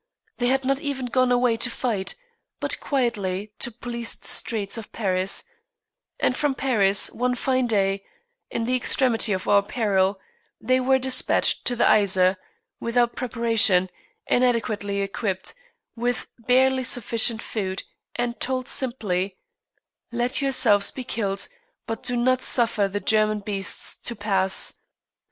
They had not even gone away to fight, but quietly to police the streets of Paris, and from Paris, one fine day, in the extremity of our peril, they were dispatched to the Yser, without preparation, inadequately equipped, with barely sufficient food, and told simply: "Let yourselves be killed, but do not suffer the German beast to pass!